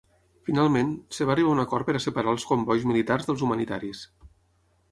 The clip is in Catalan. Finalment, es va arribar a un acord per separar els combois militars dels humanitaris.